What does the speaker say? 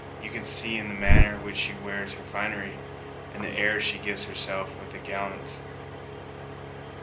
You can see in the manner which she wears her finery, and the airs she gives herself with the gallants."